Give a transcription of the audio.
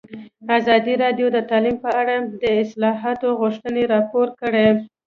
ازادي راډیو د تعلیم په اړه د اصلاحاتو غوښتنې راپور کړې.